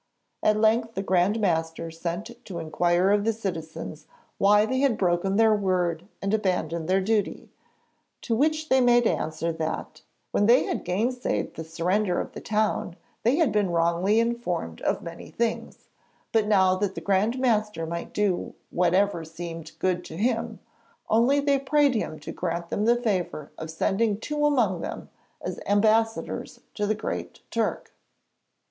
At length the Grand Master sent to inquire of the citizens why they had broken their word and abandoned their duty, to which they made answer that 'when they had gainsaid the surrender of the town, they had been wrongly informed of many things. But that now the Grand Master might do whatever seemed good to him, only they prayed him to grant them the favour of sending two among them as ambassadors to the Great Turk.'